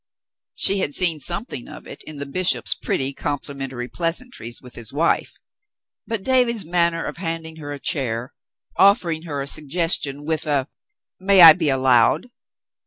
She had seen something of it in the bishop's pretty complimentary pleasantries with his wife, but David's manner of handing her a chair, offering her a suggestion — with a "May I be allowed.'